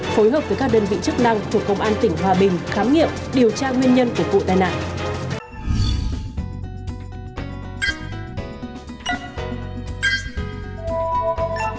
phối hợp với các đơn vị chức năng thuộc công an tỉnh hòa bình khám nghiệm điều tra nguyên nhân của vụ tai nạn